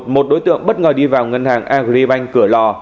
một đối tượng bất ngờ đi vào ngân hàng agribank cửa lò